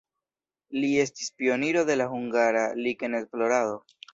Li estis pioniro de la hungara likenesplorado.